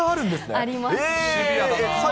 あります。